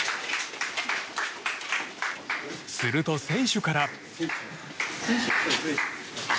すると選手から。